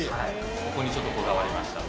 そこにちょっとこだわりました